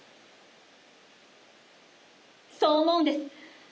そう思うんです。